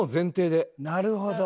なるほど。